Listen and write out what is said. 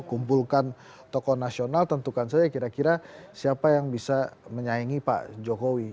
kumpulkan tokoh nasional tentukan saja kira kira siapa yang bisa menyaingi pak jokowi